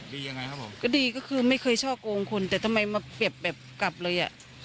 ยังไงครับผมก็ดีก็คือไม่เคยช่อโกงคนแต่ทำไมมาเก็บแบบกลับเลยอ่ะ